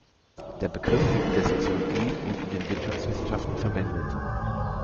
Der Begriff wird in der Soziologie und in den Wirtschaftswissenschaften verwendet.